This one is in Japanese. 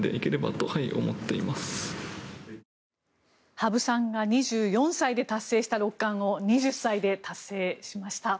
羽生さんが２４歳で達成した六冠を２０歳で達成しました。